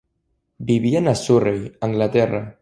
Vivien a Surrey, Anglaterra.